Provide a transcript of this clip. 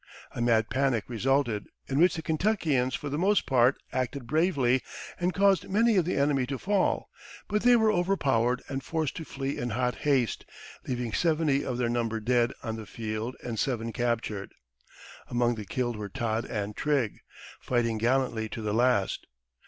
A mad panic resulted, in which the Kentuckians for the most part acted bravely and caused many of the enemy to fall; but they were overpowered and forced to flee in hot haste, leaving seventy of their number dead on the field and seven captured. Among the killed were Todd and Trigg, fighting gallantly to the last.